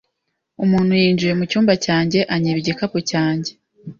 Umuntu yinjiye mu cyumba cyanjye anyiba igikapu cyanjye.